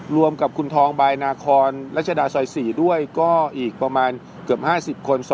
รวมกับคุณทองบายนาคอนรัชดาซอย๔ด้วยก็อีกประมาณเกือบ๕๐คน